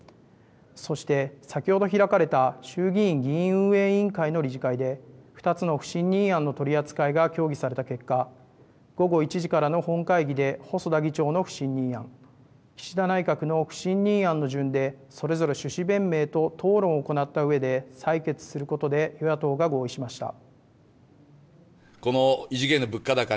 そして先ほど開かれた衆議院議院運営委員会の理事会で２つの不信任案の取り扱いが協議された結果、午後１時からの本会議で細田議長の不信任案、岸田内閣の不信任案の順でそれぞれ趣旨弁明と討論を行ったうえで採決することで与野党が合意しました。